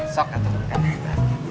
sok atau bukan